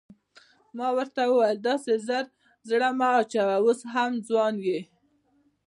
ما ورته وویل داسې ژر زړه مه اچوه اوس هم ځوان یې.